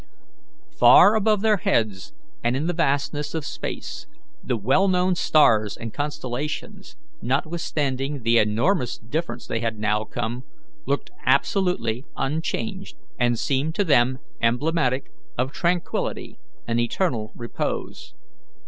Far above their heads, and in the vastness of space, the well known stars and constellations, notwithstanding the enormous distance they had now come, looked absolutely unchanged, and seemed to them emblematic of tranquillity and eternal repose.